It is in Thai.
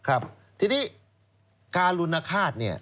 ครับทีนี้การลุณฆาต